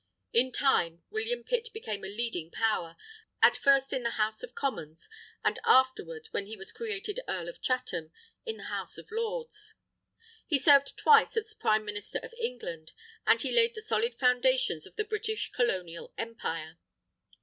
In time, William Pitt became a leading power, at first in the House of Commons, and afterward, when he was created Earl of Chatham, in the House of Lords. He served twice as Prime Minister of England; and he laid the solid foundations of the British Colonial Empire.